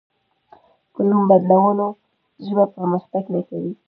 په نوم بدلولو ژبه پرمختګ نه کوي.